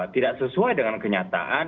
tidak sesuai dengan kenyataan